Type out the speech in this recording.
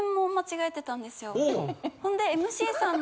ほんで。